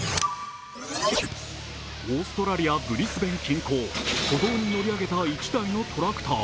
オーストラリア・ブリスベン近郊歩道に乗り上げた１台のトラクター。